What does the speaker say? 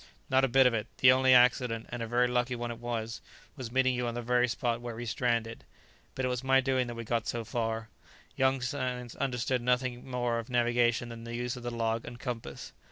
"Not a bit of it; the only accident, and a very lucky one it was was meeting you on the very spot where we stranded. But it was my doing that we got so far. Young Sands understood nothing more of navigation than the use of the log and compass.